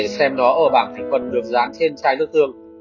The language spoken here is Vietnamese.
xem nó ở bảng thành phần được dạng trên chai nước tương